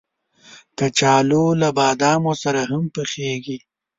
کچالو له بادامو سره هم پخېږي